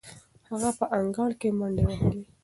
هغه په انګړ کې منډې وهلې.